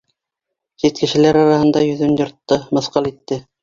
Сит кешеләр араһында йөҙөн йыртты, мыҫҡыл итте.